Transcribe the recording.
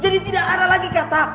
jadi tidak ada lagi kata